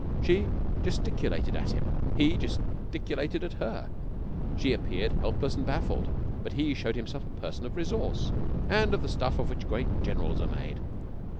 She gesticulated at him. He gesticulated at her. She appeared helpless and baffled, but he showed himself a person of resource of the stuff of which great generals are made.